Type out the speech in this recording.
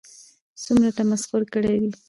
څومره تمسخر كړى وي